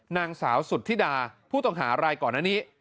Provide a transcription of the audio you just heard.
นางสาวสุธิดาผู้ต้องหารายก่อนอันนี้